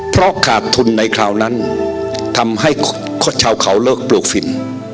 เพราะขาดทุนในคราวนั้นทำให้ชาวเขาเลิกปลูกฝิ่น